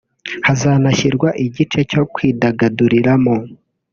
Hazanashyirwa igice cyo kwidagaduriramo